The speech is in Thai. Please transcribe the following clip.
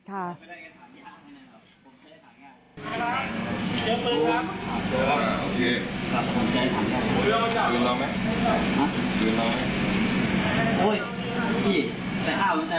ผมกล้าพูดแล้วคุณทรายไม่ทราบคุณทราบคุณออกแห่งงานก็ได้